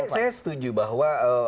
saya setuju bahwa